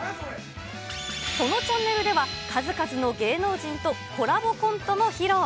そのチャンネルでは、数々の芸能人とコラボコントも披露。